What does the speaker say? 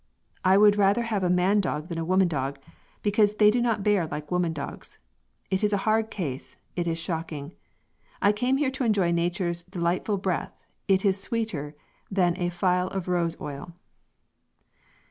I would rather have a man dog than a woman dog, because they do not bear like woman dogs; it is a hard case it is shocking. I came here to enjoy natures delightful breath it is sweeter than a fial of rose oil."